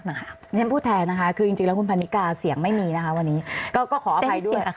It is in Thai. ไม่ใช่สิ่งที่เราอยากจะพูดแต่สิ่งที่ประชาชนอยากจะฟัง